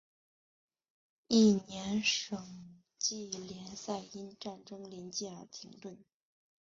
翌年省际联赛因战争临近而停顿。